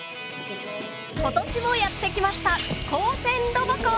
今年もやってきました